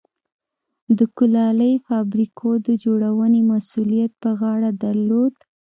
د کولالۍ فابریکو د جوړونې مسوولیت پر غاړه درلود.